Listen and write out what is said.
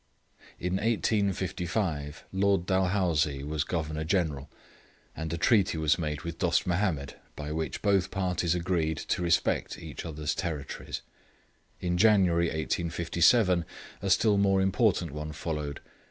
In 1855, Lord Dalhousie was Governor General, and a treaty was made with Dost Mahomed, by which both parties agreed to respect each other's territories. In January, 1857, a still more important one followed.